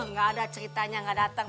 nggak ada ceritanya nggak datang